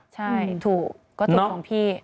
ใช่ถูกก็ถูกของพี่